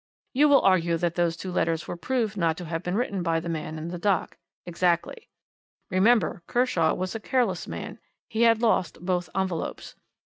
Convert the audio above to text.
You will argue that those letters were proved not to have been written by the man in the dock. Exactly. Remember, Kershaw was a careless man he had lost both envelopes.